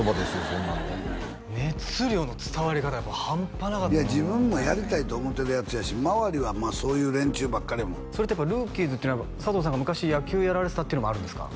そんなの熱量の伝わり方がやっぱ半端なかったいや自分もやりたいって思ってるやつやし周りはまあそういう連中ばっかりやもんそれってやっぱ「ＲＯＯＫＩＥＳ」っていうのは佐藤さんが昔野球やられてたっていうのもあるんですか？